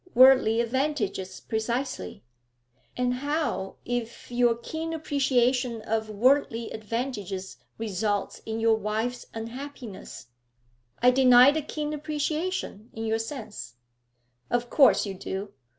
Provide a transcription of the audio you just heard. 'Worldly advantages, precisely.' 'And how if your keen appreciation of worldly advantages results in your wife's unhappiness?' 'I deny the keen appreciation, in your sense.' 'Of course you do.